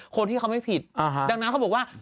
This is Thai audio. คนที่เขาไม่ผิดดังนั้นเขาบอกว่า